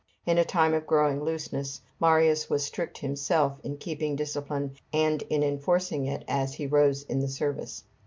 In a time of growing looseness, Marius was strict himself in keeping discipline and in enforcing it as he rose in the service.